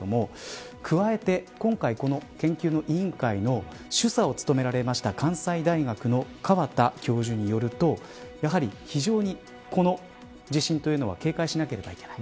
加えて、今回研究の委員会の主査を務められた関西大学の河田教授によるとやはり、非常にこの地震は警戒しなければいけない。